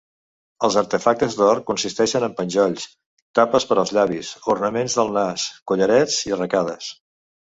Els artefactes d'or consisteixen en penjolls, tapes per als llavis, ornaments del nas, collarets i arracades.